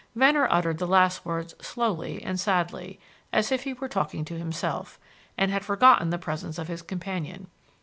Venner uttered the last words slowly and sadly, as if he were talking to himself, and had forgotten the presence of his companion.